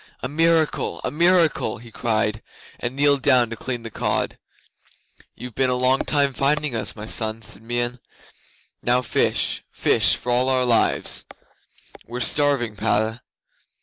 "A miracle! A miracle!" he cried, and kneeled down to clean the cod. '"You've been a long time finding us, my son," said Meon. "Now fish fish for all our lives. We're starving, Padda."